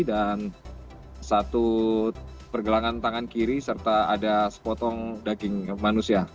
dan satu pergelangan tangan kiri serta ada sepotong daging manusia